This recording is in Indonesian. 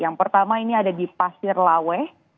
yang pertama ini ada di pasir lawe